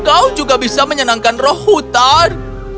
kau juga bisa menyenangkan roh hutan